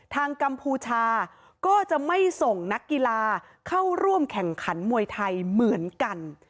กัมพูชาก็จะไม่ส่งนักกีฬาเข้าร่วมแข่งขันมวยไทยเหมือนกัน